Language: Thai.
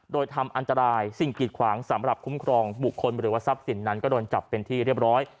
โดยทำอันตรายสิ่งกีดขวางสำหรับคุ้มครองบุคคลหรือว่าทรัพย์สินนั้นก็โดนจับเป็นที่เรียบร้อย